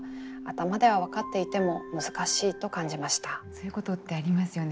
そういうことってありますよね。